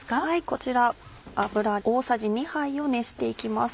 こちら油大さじ２杯を熱して行きます。